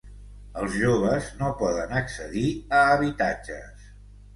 Els joves no poden accedir a habitatges